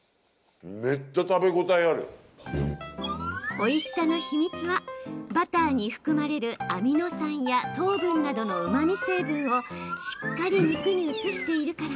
おいしさの秘密はバターに含まれるアミノ酸や糖分などのうまみ成分をしっかり肉に移しているから。